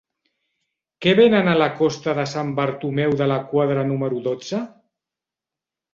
Què venen a la costa de Sant Bartomeu de la Quadra número dotze?